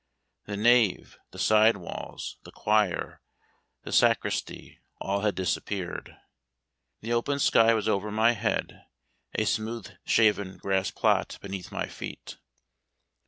The nave, the side walls, the choir, the sacristy, all had disappeared. The open sky was over my head, a smooth shaven grass plot beneath my feet.